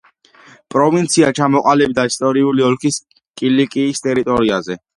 პროვინცია ჩამოყალიბდა ისტორიული ოლქის კილიკიის ტერიტორიაზე.